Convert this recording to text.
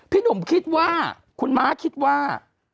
พี่หนุ่มคิดว่าคุณม้าคิดว่า